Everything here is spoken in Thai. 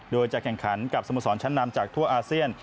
โดยจะแข่งขันกับสโมสรชั้นนำจากทั่วอาเซียน